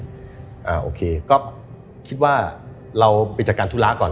อ่าโอเคก็คิดว่าเราไปจัดการธุระก่อน